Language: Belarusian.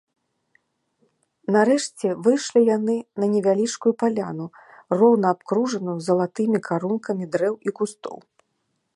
Нарэшце выйшлі яны на невялічкую палянку, роўна абкружаную залатымі карункамі дрэў і кустоў.